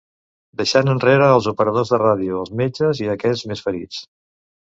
Deixant enrere als operadors de ràdio, als metges i a aquells més ferits.